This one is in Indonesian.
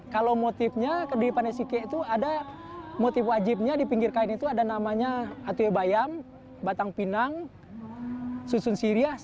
kalau motifnya di panesike itu ada motif wajibnya di pinggir kain itu ada namanya atuya bayam batang pinang susun sirias